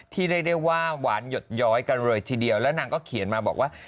เรียกได้ว่าหวานหยดย้อยกันเลยทีเดียวแล้วนางก็เขียนมาบอกว่า